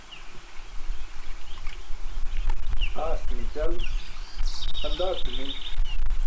Aastiṅe ćal xaṅdaa ce mul.